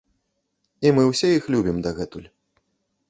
І мы ўсе іх любім дагэтуль.